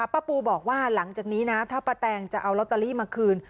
ป้าปูบอกว่าหลังจากนี้นะถ้าป้าแตงจะเอาลอตเตอรี่มาคืน